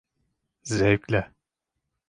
Zevkle.